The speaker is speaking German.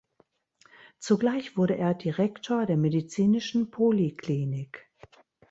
Zugleich wurde er Direktor der Medizinischen Poliklinik.